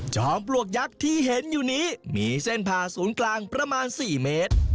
ปลวกยักษ์ที่เห็นอยู่นี้มีเส้นผ่าศูนย์กลางประมาณ๔เมตร